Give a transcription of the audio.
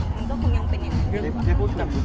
แม็กซ์ก็คือหนักที่สุดในชีวิตเลยจริง